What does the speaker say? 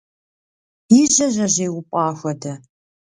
И жьэ жьэжьей упӏа хуэдэ.